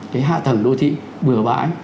cái hạ tầng đô thị vừa bãi